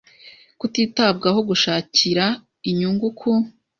kutitabwaho gushakira inyungu ku